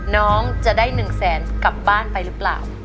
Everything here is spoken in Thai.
น้องจะได้๑แสนกลับบ้านไปหรือเปล่า